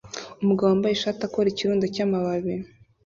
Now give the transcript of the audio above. umugabo wambaye ishati akora ikirundo cyamababi